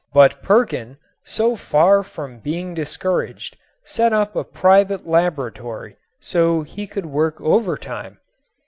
But Perkin, so far from being discouraged, set up a private laboratory so he could work over time.